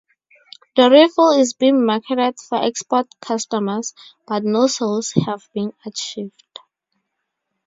The rifle is being marketed for export customers, but no sales have been achieved.